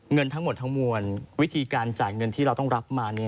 เงินทั้งหมดทั้งมวลวิธีการจ่ายเงินที่เราต้องรับมา